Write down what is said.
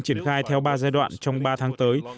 triển khai theo ba giai đoạn trong ba tháng tới